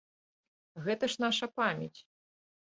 Гэта ж наша памяць!